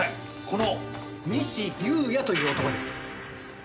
この仁志雄也という男です。